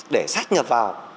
để sát nhập vào